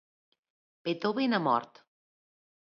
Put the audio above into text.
Beethoven ha mort.